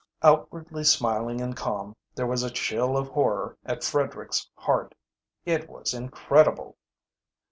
Outwardly smiling and calm, there was a chill of horror at Frederick's heart. It was incredible.